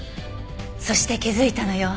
そして気づいたのよ。